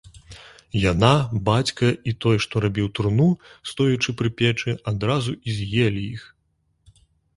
Яна, бацька і той, што рабіў труну, стоячы пры печы, адразу і з'елі іх.